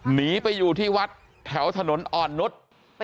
หนีไปอยู่ที่วัดแถวถนนอ่อนนุษย์